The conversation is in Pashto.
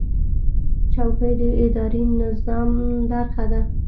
چوکۍ د اداري نظم برخه ده.